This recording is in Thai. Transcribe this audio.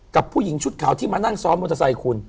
กับผู้หญิงชุดขาวที่มานั่งซ้อนมอเตอร์ไซค์คุณ